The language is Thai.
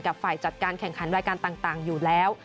ฝ่ายจัดการแข่งขันรายการต่างอยู่แล้ว